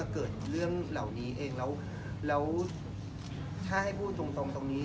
เกิดเรื่องเหล่านี้เองแล้วถ้าให้พูดตรงตรงนี้